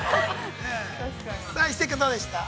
一世君、どうでしたか。